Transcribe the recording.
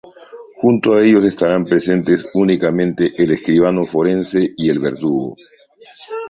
Junto a ellos estarán presentes únicamente, el escribano forense y el verdugo.